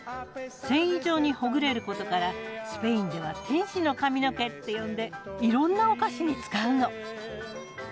繊維状にほぐれることからスペインでは「天使の髪の毛」って呼んでいろんなお菓子に使うの。